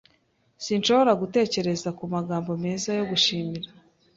Sinshobora gutekereza kumagambo meza yo gushimira.